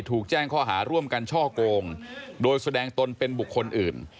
ถูกแจ้งข้อหาร่วมกันช่อโกงโดยแสดงตนเป็นบุคคลอื่น